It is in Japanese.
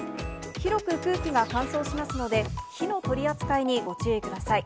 広く空気が乾燥しますので、火の取り扱いにご注意ください。